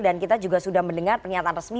kita juga sudah mendengar pernyataan resmi